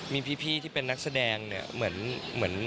มีพี่ที่เป็นนักแสดงเนี่ย